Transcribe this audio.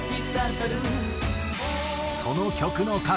その曲の数